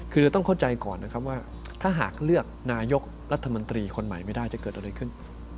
คือต้องเข้าใจก่อนนะครับว่าถ้าหากเลือกนายกรัฐมนตรีคนใหม่ไม่ได้จะเกิดอะไรขึ้น